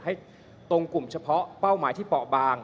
ให้ตรงกลุ่มเฉพาะเป้าหมายที่เปาะบาง